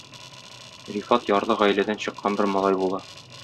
Рифат ярлы гаиләдән чыккан бер малай була.